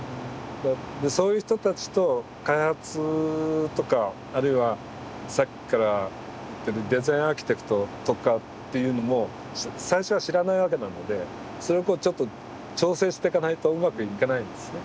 そういう人たちと開発とかあるいはさっきから言ってるデザインアーキテクトとかっていうのも最初は知らないわけなのでそれをこうちょっと調整していかないとうまくいかないんですね。